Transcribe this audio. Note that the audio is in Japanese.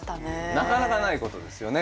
なかなかないことですよね